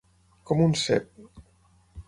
Com un cep.